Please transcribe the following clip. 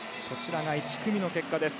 １組の結果です。